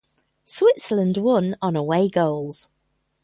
Switzerland won on away goals.